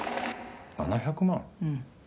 ７００万？